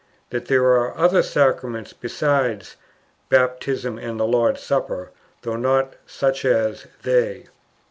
That there are other Sacraments besides "Baptism and the Lord's Supper," though not "such as" they.